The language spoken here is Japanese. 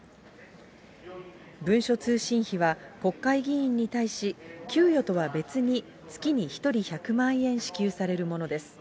文書通信費は国会議員に対し、給与とは別に月に１人１００万円支給されるものです。